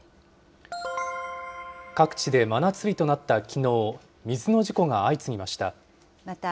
各地で真夏日となったきのう、水の事故が相次ぎました。